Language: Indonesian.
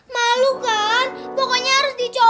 maka malu kan pokoknya harus dicvictor